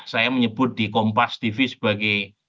saya menyebut di kompas tv sebagai